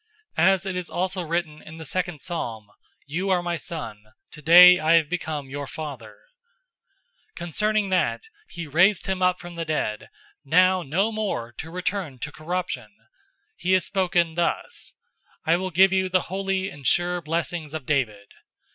As it is also written in the second psalm, 'You are my Son. Today I have become your father.'{Psalm 2:7} 013:034 "Concerning that he raised him up from the dead, now no more to return to corruption, he has spoken thus: 'I will give you the holy and sure blessings of David.'